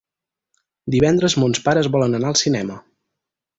Divendres mons pares volen anar al cinema.